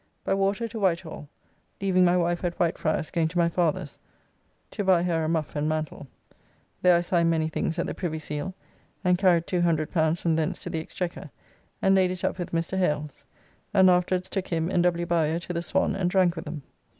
By water to Whitehall (leaving my wife at Whitefriars going to my father's to buy her a muff and mantle), there I signed many things at the Privy Seal, and carried L200 from thence to the Exchequer, and laid it up with Mr. Hales, and afterwards took him and W. Bowyer to the Swan and drank with them.